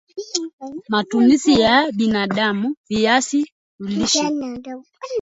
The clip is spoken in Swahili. Matumizi ya binadam Viazi lishe